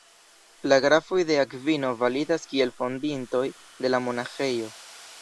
La grafoj de Akvino validas kiel fondintoj de la monaĥejo.